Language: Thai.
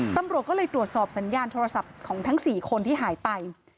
ตำรวจก็เลยตรวจสอบสัญญาณโทรศัพท์ของทั้ง๔คนที่หายไป